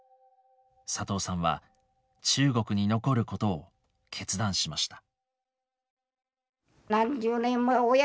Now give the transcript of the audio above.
佐藤さんは中国に残ることを決断しました。